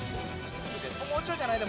もうちょいじゃない？